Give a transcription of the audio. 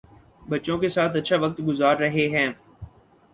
بچوں کے ساتھ اچھا وقت گذار رہے ہیں